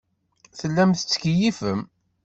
Tellam tettkeyyifem.